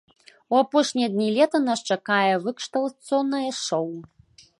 У апошнія дні лета нас чакае выкшталцонае шоў!